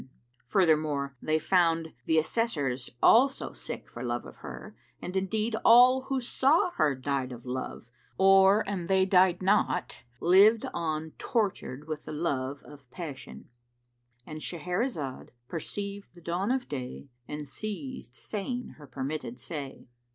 [FN#367] Furthermore, they found the Assessors also sick for love of her, and indeed all who saw her died of her love or, an they died not, lived on tortured with the lowe of passion.— And Shahrazad perceived the dawn of day and ceased saying her permitted say.